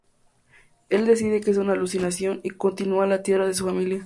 Él decide que es una alucinación, y continúa a la tierra de su familia.